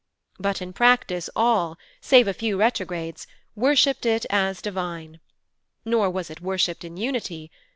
But in practice all, save a few retrogrades, worshipped it as divine. Nor was it worshipped in unity.